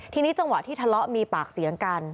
ทีนี้จังหวะที่ทะเลาะมีปากเสียงกัน